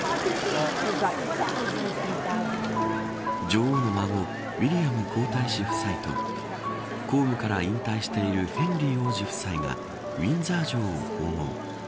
女王の孫ウィリアム皇太子夫妻と公務から引退しているヘンリー王子夫妻がウィンザー城を訪問。